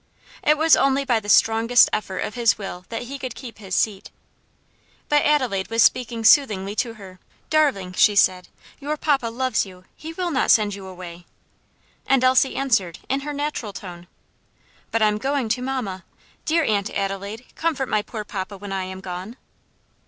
It was only by the strongest effort of his will that he could keep his seat. But Adelaide was speaking soothingly to her. "Darling," she said, "your papa loves you; he will not send you away." And Elsie answered, in her natural tone, "But I'm going to mamma. Dear Aunt Adelaide, comfort my poor papa when I am gone."